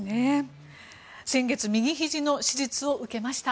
先月右ひじの手術を受けました。